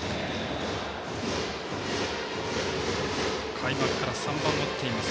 開幕から３番を打っています